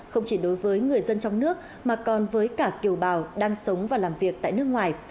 không chỉ đối với người dân trong nước mà còn với cả kiều bào đang sống và làm việc tại nước ngoài